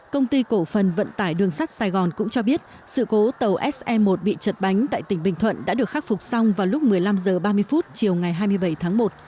công ty cổ phần vận tải đường sắt sài gòn cũng cho biết sự cố tàu se một bị chật bánh tại tỉnh bình thuận đã được khắc phục xong vào lúc một mươi năm h ba mươi chiều ngày hai mươi bảy tháng một